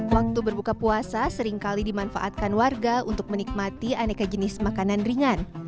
waktu berbuka puasa seringkali dimanfaatkan warga untuk menikmati aneka jenis makanan ringan